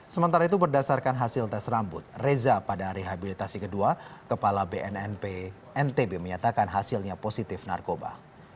sementara itu berdasarkan hasil tes rambut reza pada rehabilitasi kedua kepala bnnp ntb menyatakan hasilnya positif narkoba